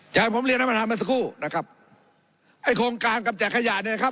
อย่างผมเรียนท่านประธานมาสักครู่นะครับไอ้โครงการกำจัดขยะเนี่ยนะครับ